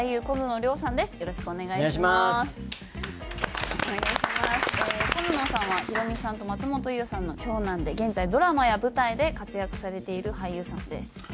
小園さんはヒロミさんと松本伊代さんの長男で現在ドラマや舞台で活躍されている俳優さんです。